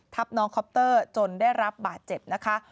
น้องคอปเตอร์จนได้รับบาดเจ็บนะคะ